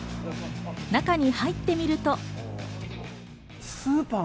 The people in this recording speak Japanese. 中に入ってみると。